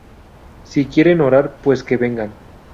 Si quieren orar pues que vengan.